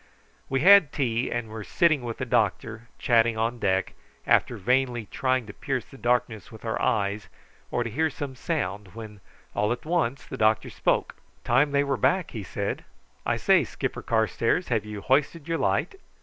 We had tea, and were sitting with the doctor chatting on deck, after vainly trying to pierce the darkness with our eyes or to hear some sound, when all at once the doctor spoke: "Time they were back," he said. "I say, Skipper Carstairs, have you hoisted your light?"